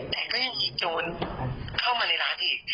แต่ก็ยังมีโจรเข้ามาในร้านอีก